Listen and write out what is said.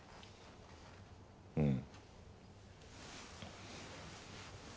うん。